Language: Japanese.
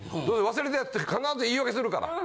忘れた奴って必ず言い訳するから。